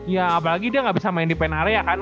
ya apalagi dia nggak bisa main di pen area kan